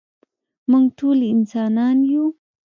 مونږ ټول انسانان يو.